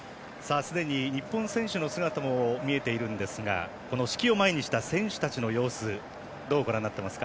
すでに日本選手の姿も見えているんですが式を前にした選手の様子どう見ていますか。